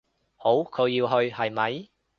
好，佢要去，係咪？